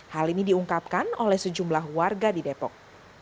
hal ini diungkapkan oleh sejumlah warga di depok